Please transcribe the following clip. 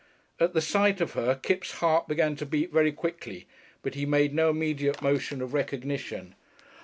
At the sight of her Kipps' heart began to beat very quickly, but he made no immediate motion of recognition.